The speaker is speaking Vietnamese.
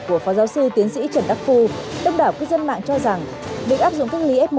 của phó giáo sư tiến sĩ trần đắc phu đông đảo cư dân mạng cho rằng việc áp dụng cách ly f một